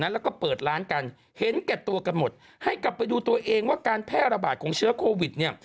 แล้วก็เปิดร้านกันเห็นแก่ตัวกันหมดให้กลับไปดูตัวเองว่าการแพร่ระบาดของเชื้อโควิดเนี่ย